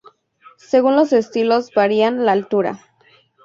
Según los estilos varía la altura.